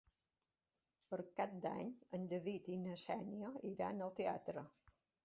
Per Cap d'Any en David i na Xènia iran al teatre.